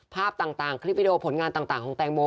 ภาพต่างคลิปวิดีโอผลงานต่างของแตงโม